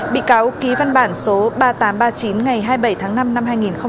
bị cáo ký văn bản số ba nghìn tám trăm ba mươi chín ngày hai mươi bảy tháng năm năm hai nghìn chín